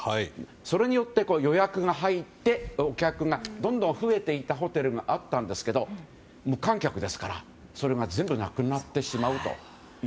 それによって、予約が入ってお客がどんどん増えていたホテルがあったんですが無観客ですからそれが全部なくなってしまった。